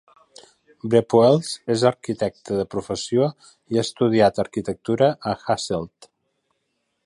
Brepoels és arquitecte de professió i ha estudiat arquitectura a Hasselt.